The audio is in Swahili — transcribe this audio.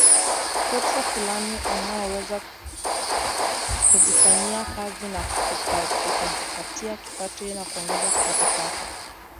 Fursa fulani unazoweza kuzifanyia kazi na ukajipatia kipato au ukaongeza kipato chako